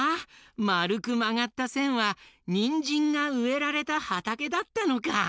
まるくまがったせんはにんじんがうえられたはたけだったのか！